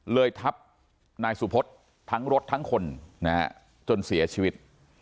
ทับนายสุพธทั้งรถทั้งคนจนเสียชีวิต